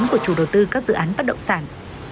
của chủ đầu tư các dự án bất động sản